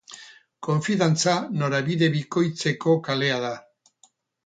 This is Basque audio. Konfidantza norabide bikoitzeko kalea da.